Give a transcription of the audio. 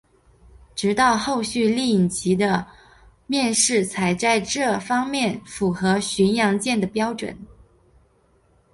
直至后续丽蝇级的面世才在这方面符合巡洋舰的标准。